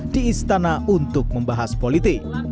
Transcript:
di istana untuk membahas politik